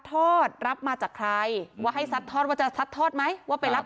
อดรับมาจากใครว่าให้ซัดทอดว่าจะซัดทอดไหมว่าไปรับ